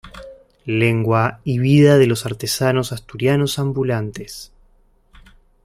Lengua y vida de los artesanos asturianos ambulantes.